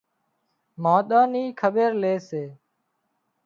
مانۮان نِي کٻير لي سي